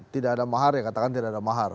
tidak ada mahar ya katakan tidak ada mahar